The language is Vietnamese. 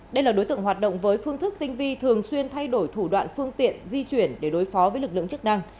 đây là đối tượng hoạt động với phương thức tinh vi thường xuyên thay đổi thủ đoạn phương tiện di chuyển để đối phó với lực lượng chức năng